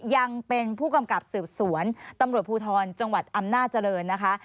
ยังเป็นผู้กำกับสืบสวนตำรวจภูทรจังหวัดอำนาจเจริญนะคะ